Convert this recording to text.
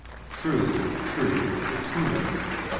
True. True. The tuner.